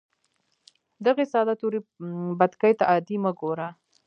دغې ساده تورې بتکې ته عادي مه ګوره